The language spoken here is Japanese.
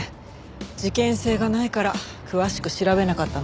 事件性がないから詳しく調べなかったんでしょうね。